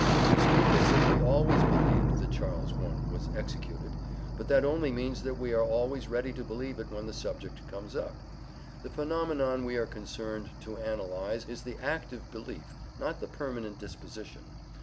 We speak as if we always believed that Charles I was executed, but that only means that we are always ready to believe it when the subject comes up. The phenomenon we are concerned to analyse is the active belief, not the permanent disposition.